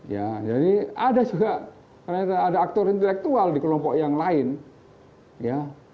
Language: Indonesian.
ya jadi ada juga ternyata ada aktor intelektual di kelompok yang lain ya